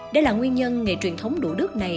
đây là nguyên nhân nghề truyền thống đũa đước này